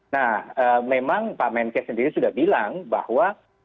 nah memang pak menkes sendiri sudah bilang bahwa